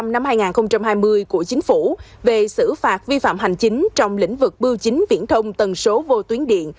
năm hai nghìn hai mươi của chính phủ về xử phạt vi phạm hành chính trong lĩnh vực bưu chính viễn thông tần số vô tuyến điện